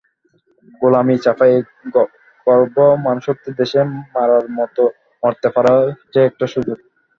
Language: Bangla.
গোলামি-চাপা এই খর্ব মানুষ্যত্বের দেশে মরার মতো মরতে পারাও যে একটা সুযোগ।